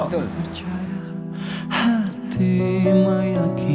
berarti kamu harus berhati hati